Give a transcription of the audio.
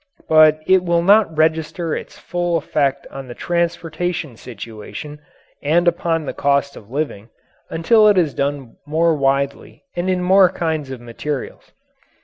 But it will not register its full effect on the transportation situation and upon the cost of living until it is done more widely and in more kinds of materials.